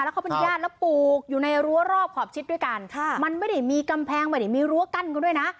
แล้วเขาเป็นญาติแล้วปลูกอยู่ในรั้วรอบขอบชิดด้วยกันค่ะมันไม่ได้มีกำแพงไม่ได้มีรั้วกั้นเขาด้วยนะ